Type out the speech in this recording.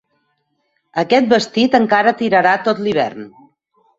Aquest vestit encara tirarà tot l'hivern.